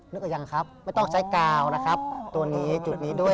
หรือยังครับไม่ต้องใช้กาวนะครับตัวนี้จุดนี้ด้วย